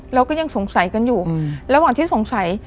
เราก็ยังสงสัยกันอยู่ระหว่างที่สงสัย